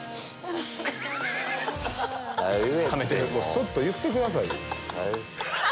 すっと言ってください。